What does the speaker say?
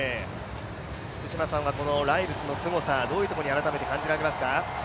福島さんはライルズのすごさどういうところに改めて感じられますか？